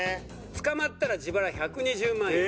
「捕まったら自腹１２０万円」。